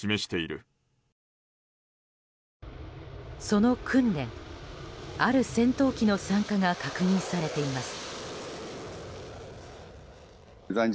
その訓練、ある戦闘機の参加が確認されています。